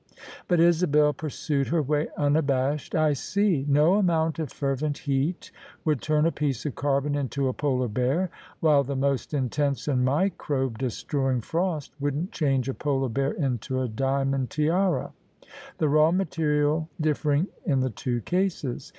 But Isabel pursued her way unabashed. "I see:, no amount of fervent heat would turn a piece of carbon into a polar bear: while the most intense and microbe destrpying frost wouldn't change a polar bear into a diamond tiara: the raw material differing in the two cases.